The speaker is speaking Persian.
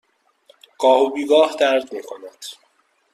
گاه و بیگاه درد می کند.